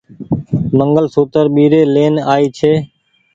منگل سوتر ٻيري لين آئي ڇي۔